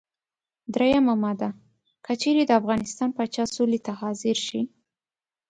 دریمه ماده: که چېرې د افغانستان پاچا سولې ته حاضر شي.